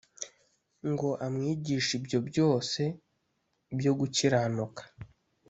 ngo amwigishe ibyo byose byo gukiranuka?